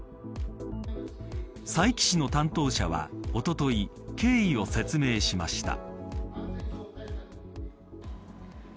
佐伯市の担当者はおととい経緯を説明しました。